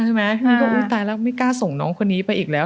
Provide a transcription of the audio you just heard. พี่ก็อุ๊ยตายแล้วไม่กล้าส่งน้องคนนี้ไปอีกแล้ว